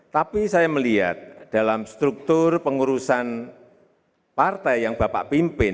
tapi saya melihat dalam struktur pengurusan partai yang bapak pimpin